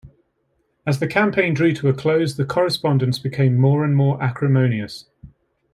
As the campaign drew to a close, the correspondence became more and more acrimonious.